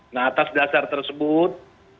nah atas dasar tersebut